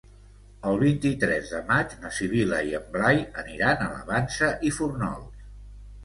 El vint-i-tres de maig na Sibil·la i en Blai aniran a la Vansa i Fórnols.